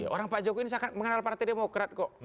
orang pak jokowi ini sangat mengenal partai demokrat kok